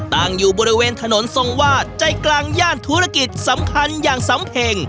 ตั้งอยู่บริเวณถนนทรงวาดใจกลางย่านธุรกิจสำคัญอย่างสำเพ็ง